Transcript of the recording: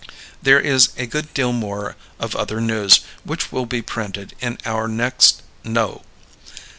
There is a good deal more of other news which will be printed in our next NO.